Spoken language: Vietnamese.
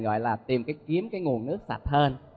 gọi là tìm kiếm cái nguồn nước sạch hơn